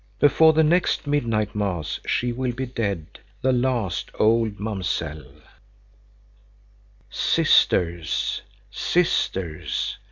Before the next midnight mass she will be dead, the last old Mamsell. "Sisters, sisters!